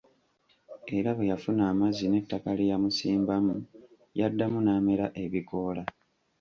Era bwe yafuna amazzi n'ettaka lye yamusimbamu, yaddamu n'amera ebikoola.